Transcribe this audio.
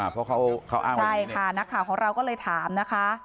เพราะเขาอ้างใช่ค่ะนักข่าวของเราก็เลยถามนะคะ